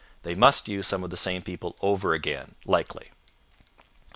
They must use some of the same people over again, likely.